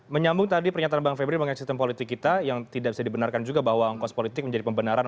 menyambung tadi pernyataan bang febri mengenai sistem politik kita yang tidak bisa dibenarkan juga bahwa ongkos politik menjadi pembenaran